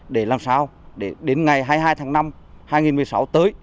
để làm sao để đến ngày hai mươi hai tháng năm hai nghìn một mươi sáu tới